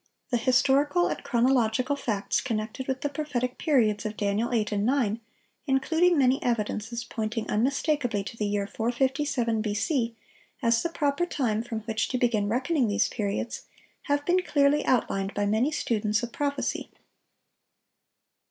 —The historical and chronological facts connected with the prophetic periods of Daniel 8 and 9, including many evidences pointing unmistakably to the year 457 B.C. as the proper time from which to begin reckoning these periods, have been clearly outlined by many students of prophecy.